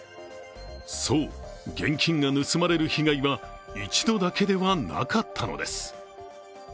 そう、現金が盗まれる被害は一度だけではなかったのです。